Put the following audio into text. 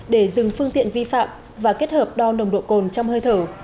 để dừng phương tiện vi phạm và kết hợp đo nồng độ cồn trong hơi thở